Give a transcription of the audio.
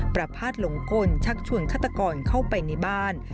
ประพาทหลงกลชักชวนฆาตกรเข้าไปในบ้าน